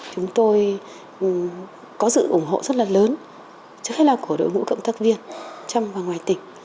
chúng tôi có sự ủng hộ rất là lớn chứ không phải là của đội ngũ cộng tác viên trong và ngoài tỉnh